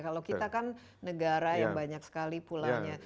kalau kita kan negara yang banyak sekali pulanya